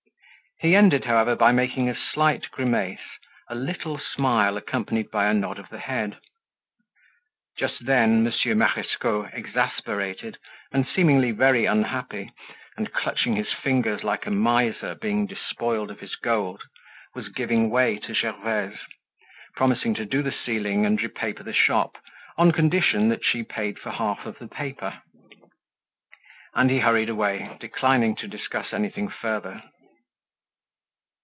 He ended, however, by making a slight grimace—a little smile accompanied by a nod of the head. Just then Monsieur Marescot, exasperated, and seemingly very unhappy, and clutching his fingers like a miser being despoiled of his gold, was giving way to Gervaise, promising to do the ceiling and repaper the shop on condition that she paid for half of the paper. And he hurried away declining to discuss anything further.